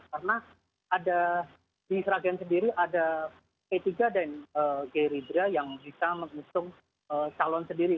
karena di seragen sendiri ada p tiga dan geribra yang bisa mengusung calon sendiri